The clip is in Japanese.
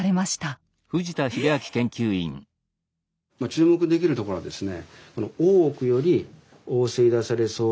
⁉注目できるところはですね